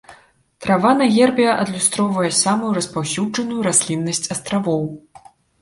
Трава на гербе адлюстроўвае самую распаўсюджаную расліннасць астравоў.